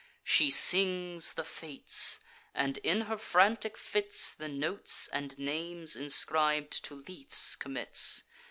She sings the fates, and, in her frantic fits, The notes and names, inscrib'd, to leafs commits.